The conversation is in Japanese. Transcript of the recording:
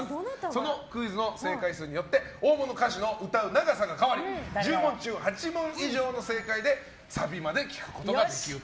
そのクイズの正解数によって大物歌手の歌う長さが変わり１０問中８問以上の正解でサビまで聴くことができると。